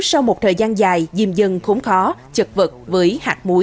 sau một thời gian dài diêm dân khốn khó chật vật với hạt muối